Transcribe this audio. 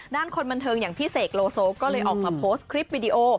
คนบันเทิงอย่างพี่เสกโลโซก็เลยออกมาโพสต์คลิปวิดีโอ